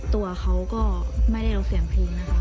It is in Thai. ตัวเขาก็ไม่ได้เอาเสียงเพลงนะคะ